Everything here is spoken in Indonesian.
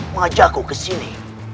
mengajakku ke sini